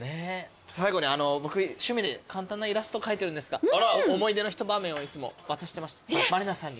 最後に僕趣味で簡単なイラスト描いてるんですが思い出の一場面をいつも渡してまして満里奈さんに。